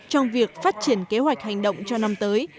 trong việc phát triển kế hoạch hành động cho năm tới